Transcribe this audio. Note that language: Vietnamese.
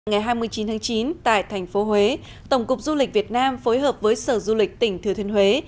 ngày hai mươi chín tháng chín tại thành phố huế tổng cục du lịch việt nam phối hợp với sở du lịch tỉnh thừa thiên huế